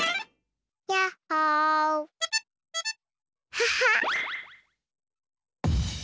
ハハ！